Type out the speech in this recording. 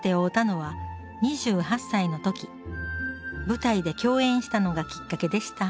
舞台で共演したのがきっかけでした。